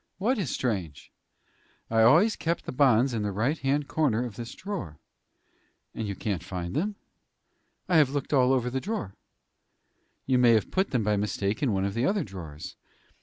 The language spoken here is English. "What is strange?" "I always kept the bonds in the right hand corner of this drawer." "And you can't find them?" "I have looked all over the drawer." "You may have put them, by mistake, in one of the other drawers."